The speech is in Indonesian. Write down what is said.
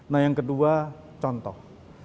nah yang kedua contoh